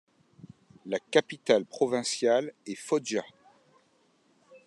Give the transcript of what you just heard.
La capitale provinciale est Foggia.